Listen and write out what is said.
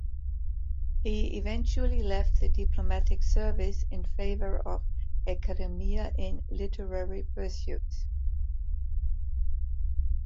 He eventually left the diplomatic service in favour of academia and literary pursuits.